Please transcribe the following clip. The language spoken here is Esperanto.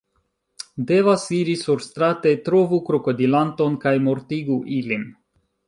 Devas iri surstrate, trovu krokodilanton kaj mortigu ilin